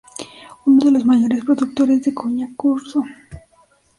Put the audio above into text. Uno de los mayores productores de coñac ruso.